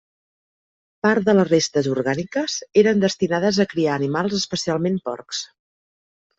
Part de les restes orgàniques eren destinades a criar animals, especialment porcs.